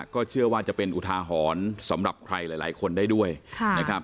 ก็เชื่อว่าจะเป็นอุทาหรณ์สำหรับใครหลายคนได้ด้วยนะครับ